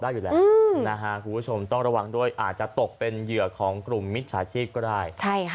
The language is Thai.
อยู่แล้วคุณผู้ชมต้องระวังด้วยอาจจะตกเป็นเหยื่อของกลุ่มมิจฉาชีพก็ได้